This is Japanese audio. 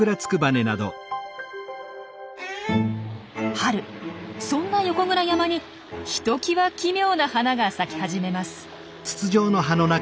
春そんな横倉山にひときわ奇妙な花が咲き始めます。